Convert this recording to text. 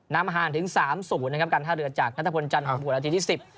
น้ำห้านถึง๓๐นะครับการท่าเรือจากณธพรจันทร์ของหัวละทีที่๑๐